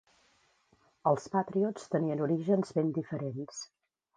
Els Patriots tenien orígens ben diferents.